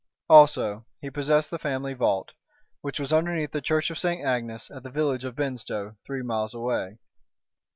Also he possessed the family vault, which was underneath the Church of St. Agnes at the village of Benstow, three miles away.